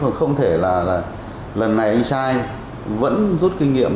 mà không thể là lần này anh sai vẫn rút kinh nghiệm